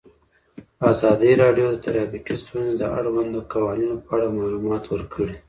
ازادي راډیو د ټرافیکي ستونزې د اړونده قوانینو په اړه معلومات ورکړي.